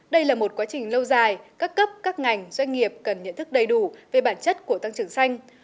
đây là một quá trình lâu dài các cấp các ngành doanh nghiệp cần nhận thức đầy đủ về bản chất của tăng trưởng xanh